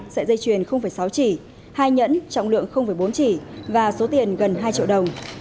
sợi dây chuyền sáu chỉ hai nhẫn trọng lượng bốn chỉ và số tiền gần hai triệu đồng